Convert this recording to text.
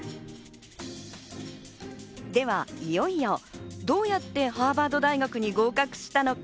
では、いよいよどうやってハーバード大学に合格したのか？